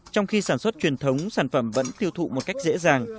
trong khi sản xuất truyền thống sản phẩm vẫn tiêu thụ một cách dễ dàng